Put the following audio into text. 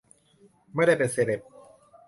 ไม่ได้เป็นเซเลบ.